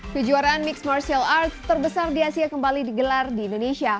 kejuaraan mixed martial arts terbesar di asia kembali digelar di indonesia